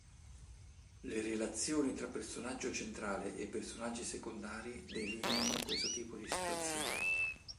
Le relazioni tra personaggio centrale e personaggi secondari delineano questo tipo di situazione.